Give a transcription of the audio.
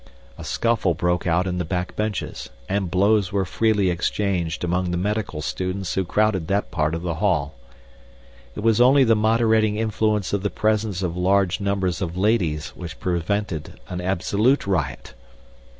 A scuffle broke out in the back benches, and blows were freely exchanged among the medical students who crowded that part of the hall. It was only the moderating influence of the presence of large numbers of ladies which prevented an absolute riot.